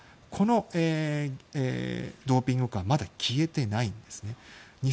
このドーピング禍はまだ消えてないんですね。